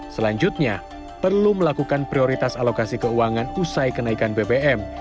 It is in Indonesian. selanjutnya perlu melakukan prioritas alokasi keuangan usai kenaikan bbm